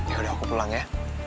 ya udah aku pulang ya